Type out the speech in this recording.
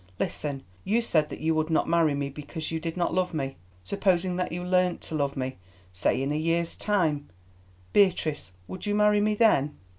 "Listen. You said that you would not marry me because you did not love me. Supposing that you learned to love me, say in a year's time, Beatrice, would you marry me then?"